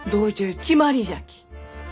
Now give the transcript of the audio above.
決まりじゃき。